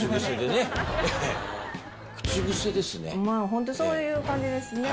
本当そういう感じですね。